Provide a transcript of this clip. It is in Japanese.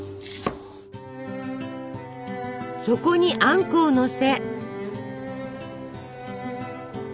そこにあんこをのせ。